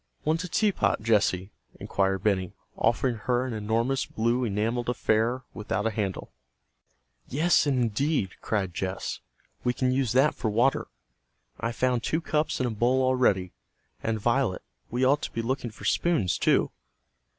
"Want a teapot, Jessy?" inquired Benny, offering her an enormous blue enameled affair without a handle. "Yes, indeed!" cried Jess. "We can use that for water. I've found two cups and a bowl already. And Violet, we ought to be looking for spoons, too."